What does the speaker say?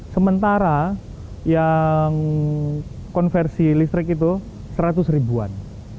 sementara yang konversi listrik itu seratus ribuan